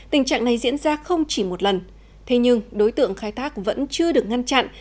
tình trạng này diễn ra không chỉ một lần thế nhưng đối tượng khai thác vẫn chưa được ngăn chặn